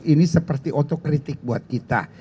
ini seperti otokritik buat kita